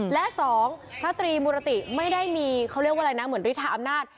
และสองพระตรีมุรติไม่ได้มีเขาเรียกว่าอะไรนะเหมือนฤทธาอำนาจ